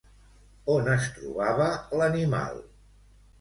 On es trobava l'animal?